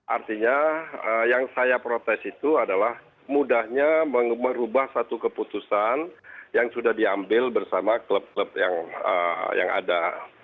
artinya yang saya protes itu adalah mudahnya merubah satu keputusan yang sudah diambil bersama klub klub yang ada